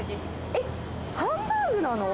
えっ、ハンバーグなの？